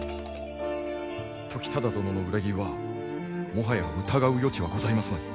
時忠殿の裏切りはもはや疑う余地はございますまい。